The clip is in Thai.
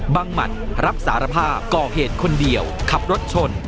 หมัดรับสารภาพก่อเหตุคนเดียวขับรถชน